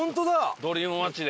『ドリームマッチ』で。